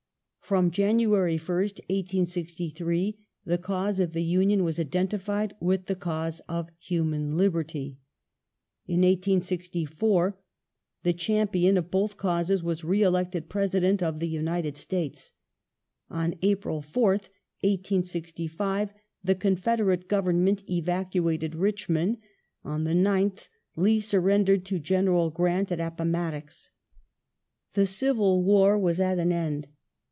From January 1st, 1863, the cause of the Union was identified with the cause of human liberty. In 1864 the champion of both causes was re elected President of the United States. On April 4, 1865, the Confederate Government evacuated Richmond ; on the 9th Lee surrendered to General Grant at Appomattox. The Civil War was at an end.